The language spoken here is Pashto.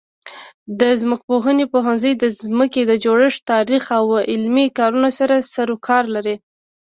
د ځمکپوهنې پوهنځی د ځمکې د جوړښت، تاریخ او عملي کارونو سره سروکار لري.